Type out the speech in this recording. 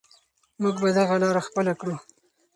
موږ به دغه لاره خپله کړو.